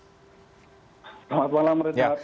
selamat malam reda